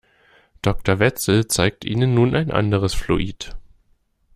Doktor Wetzel zeigt Ihnen nun ein anderes Fluid.